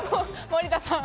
森田さん。